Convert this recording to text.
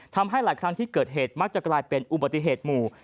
ทำให้หลายครั้งที่เกิดเหตุมักจะกลายเป็นอุบัติเหตุหมู่